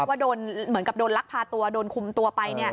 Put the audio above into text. ว่าโดนเหมือนกับโดนลักพาตัวโดนคุมตัวไป